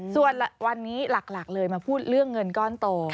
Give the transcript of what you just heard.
ส่วนวันนี้หลักเลยมาพูดเรื่องเงินก้อนโต